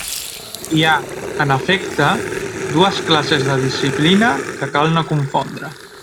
Hi ha, en efecte, dues classes de disciplina que cal no confondre.